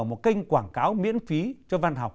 một kênh quảng cáo miễn phí cho văn học